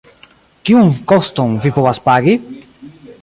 Kiun koston vi povas pagi?